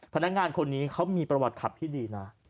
พนักงานคนนี้เขามีประวัติขับที่ดีนะ